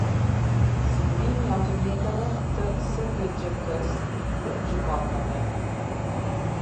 Sigurimi e automjeteve te skgjk-së dhe gjykatave